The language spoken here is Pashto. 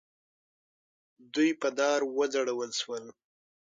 دوی په دار وځړول شول.